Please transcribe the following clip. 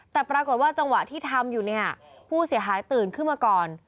แต่ปรากฏว่าจังหวะที่ทำอยู่เนี่ยผู้เสียหายตื่นขึ้นมาก่อน